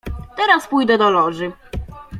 "Teraz pójdę do Loży."